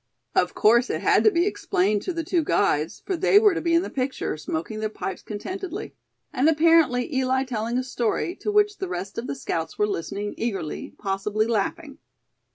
Of course it had to be explained to the two guides, for they were to be in the picture, smoking their pipes contentedly; and apparently Eli telling a story, to which the rest of the scouts were listening eagerly, possibly laughing.